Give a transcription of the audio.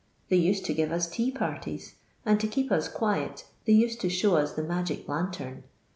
They used to give us tea parties, and to keep us quiet they used to show us the magic lantern.